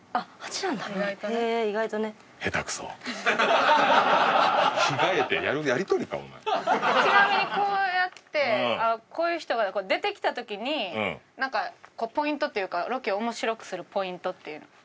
ちなみにこうやってこういう人が出てきた時になんかポイントっていうかロケを面白くするポイントっていうのは？